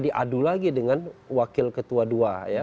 diadu lagi dengan wakil ketua dua ya